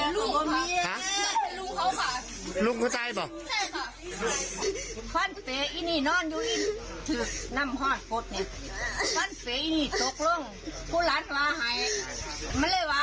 ลูกก็มีลูกเขาฝาลุกเขาใจเปล่าใช่ค่ะ